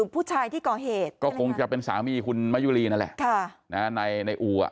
ผู้ชายที่ก่อเหตุก็คงจะเป็นสามีคุณมะยุรีนั่นแหละในอู่อ่ะ